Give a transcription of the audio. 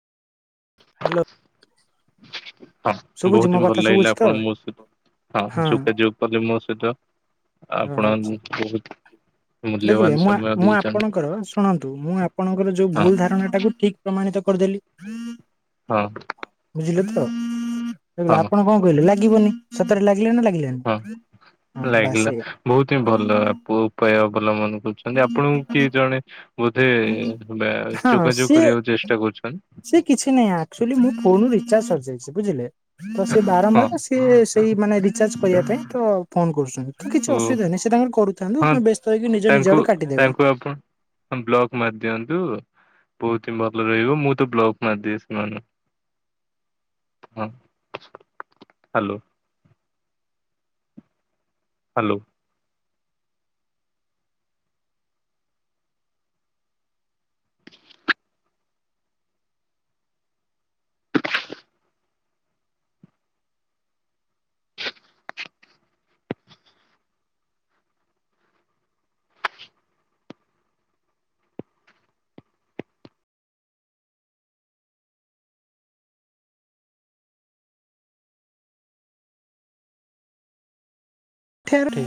Hello. ହଁ ଶୁଭୁଛି ମୋ ବହୁତ ହିଁ କଥା ଭଲ ଲାଗିଲା ଶୁଭୁଛି ତ ଆପଣ ମୋ ସହିତ ହଁ ଯୋଗାଯୋଗ କଲେ ମୋ ସହିତ। ହଁ ଆପଣ ଆଚ୍ଛା। ବହୁତ। ମୂଲ୍ୟବାନ ଦେଖିଲେ ମୁଁ ଆ ସମୟ ମୁଁ ଦେଇଛନ୍ତି ଆପଣଙ୍କର ଶୁଣନ୍ତୁ ମୁଁ ଆପଣଙ୍କର ଯୋଉ ହଁ ଭୁଲ ଧାରଣା ଟାକୁ ଠିକ୍। ପ୍ରମାଣିତ କରିଦେଲି। ହଁ। ବୁଝିଲେ ତ? ଲାଗିଲା ହଁ ଆପଣ କଣ କହିଲେ ଲାଗିବନି ସତରେ ଲାଗିଲା ନା ଲାଗିଲା ହଁ ଲାଗିଲା ବହୁତ ହିଁ ଭଲ ପୁ ଉପାୟ ଅବଲମ୍ବନ କରୁଛନ୍ତି ଆପଣଙ୍କୁ କିଏ ଜଣେ। ବୋଧେ ବେ ହଁ ଯୋଗାଯୋଗ ସିଏ କରିବାକୁ ଚେଷ୍ଟା କରୁଛନ। ସେ କିଛି ନାହିଁ ଆକ୍ଚୁଆଲି ମୋ ଫୋନ ରିଚାର୍ଜ ସରିଯାଇଛି ବୁଝିଲେ। ତ ସେ ହଁ ବାରମ୍ବାର ସିଏ ସେଇ ମାନେ ରିଚାର୍ଜ କରିବା ପାଇଁ ତ। ଫୋନ କରୁଛନ୍ତି କି-କିଛି ଓ ଅସୁବିଧା ନାହିଁ ସେ ତାଙ୍କର କରୁଥାନ୍ତୁ ଉଁ ହଁ ବ୍ୟସ୍ତ ହେଇକି ନିଜେ ନିଜ ଆଡୁ କାଟିଦେବେ। ହଁ ବ୍ଲକ୍ ମାରି ଦିଅନ୍ତୁ। ବହୁତ ହିଁ ଭଲ ରହିବ ମୁଁ ତ ବ୍ଲକ୍ ମାରିଦିଏ ସେମାନ ହଁ ହାଲୋ। ହାଲୋ। [unintelligible]